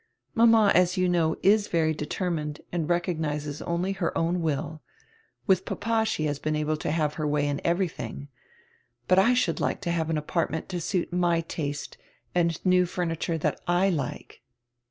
"Mama, as you know, is very determined and recognizes only her own will Widi papa she has been able to have her way in eveiydiing. But I should like to have an apart ment to suit my taste, and new furniture drat I like."